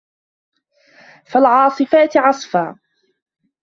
فَالْعَاصِفَاتِ عَصْفًا